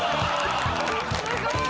すごい！